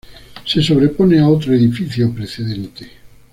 Se sobrepone a otro edificio precedente.